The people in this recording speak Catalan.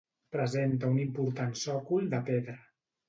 Presenta un important sòcol de pedra.